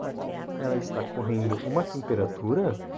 Ela está correndo uma temperatura?